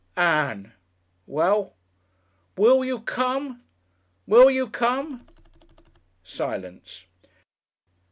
"Ann!" "Well?" "Will you come?... Will you come?..." Silence.